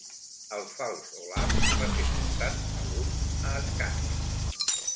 El fals Olaf va ser portat a Lund, a Escània.